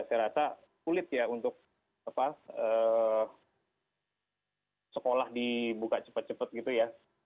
saya rasa sulit ya untuk apa eee sekolah dibuka cepet cepet gitu ya